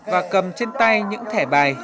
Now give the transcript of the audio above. và cầm trên tay những thẻ bài